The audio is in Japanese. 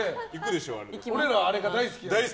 俺らあれが大好き。